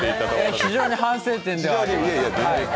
非常に反省点ではあります。